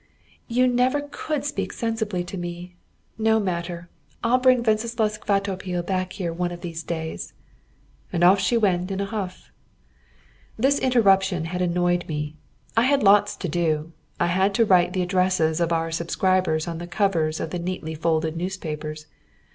"You never could speak sensibly to me. No matter! I'll bring Wenceslaus Kvatopil back here one of these days." And off she went in a huff. This interruption had annoyed me. I had lots to do. I had to write the addresses of our subscribers on the covers of the neatly folded newspapers.